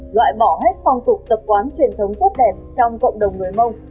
loại bỏ hết phong tục tập quán truyền thống tốt đẹp trong cộng đồng người mông